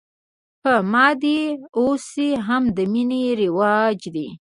په ما دې اوس هم د مینې راج دی